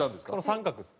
三角です。